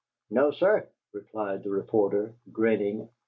"No, sir," replied the reporter, grinning.